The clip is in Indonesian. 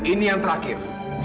ini yang terakhir